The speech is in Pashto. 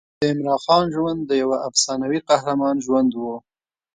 د عمراخان ژوند د یوه افسانوي قهرمان ژوند و.